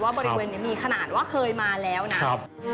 บริเวณนี้มีขนาดว่าเคยมาแล้วนะ